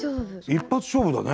一発勝負だね。